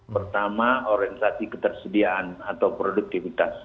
pertama orientasi ketersediaan atau produktivitas